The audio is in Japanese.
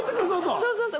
そうそうそう。